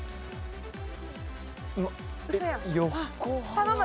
頼む！